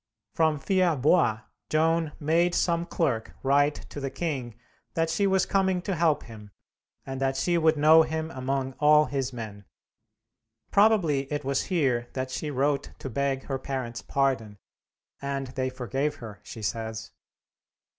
From Fierbois, Joan made some clerk write to the king that she was coming to help him, and that she would know him among all his men. Probably it was here that she wrote to beg her parents pardon, and they forgave her, she says.